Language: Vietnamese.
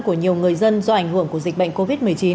của nhiều người dân do ảnh hưởng của dịch bệnh covid một mươi chín